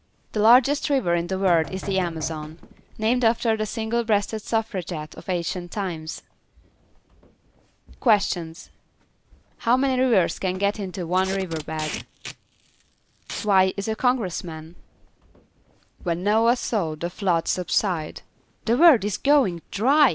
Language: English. The largest river in the world is the Amazon, named after the single breasted suffragette of ancient times. QUESTIONS How many rivers can get into one river bed? Why is a Congressman? [Illustration: NOAH SIGHTING ARARAT] When Noah saw the flood subside, "The world is going dry!"